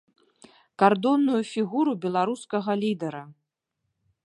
Кардонную фігуру беларускага лідара!